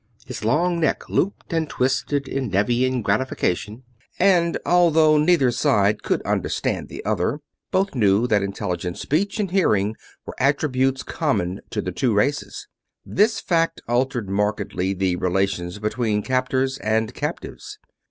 His long neck looped and twisted in Nevian gratification; and although neither side could understand the other, both knew that intelligent speech and hearing were attributes common to the two races. This fact altered markedly the relations between captors and captives.